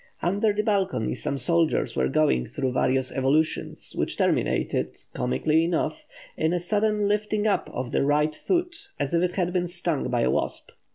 Under the balcony some soldiers were going through various evolutions, which terminated, comically enough, in a sudden lifting up of the right foot as if it had been stung by a wasp.